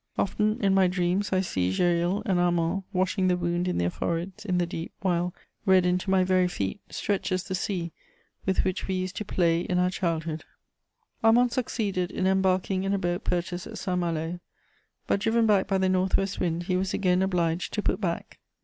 Often, in my dreams, I see Gesril and Armand washing the wound in their foreheads in the deep, while, reddened to my very feet, stretches the sea with which we used to play in our childhood. Armand succeeded in embarking in a boat purchased at Saint Malo, but, driven back by the north west wind, he was again obliged to put back.